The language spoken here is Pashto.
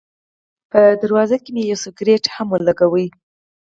په دروازه کې مې یو سګرټ هم ولګاوه.